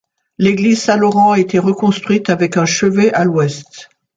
L'église Saint-Laurent a été reconstruite avec un chevet à l'ouest.